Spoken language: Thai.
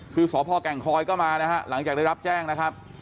คือสพแก่งคอยก็มานะฮะหลังจากได้รับแจ้งนะครับ